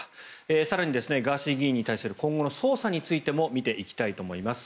更にガーシー議員に対しての今後の捜査についても見ていきたいと思います。